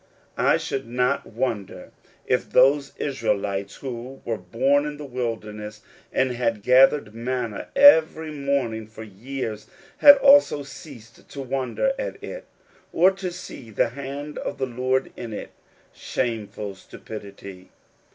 I should not wonder if those Israelites who were born in the wilderness and had gathered manna every morning for years, had also ceased to wonder at it, or to see the hand of the Lord in it. Shameful stupidity!